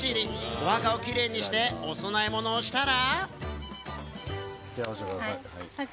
お墓をキレイにして、お供え物をしたら。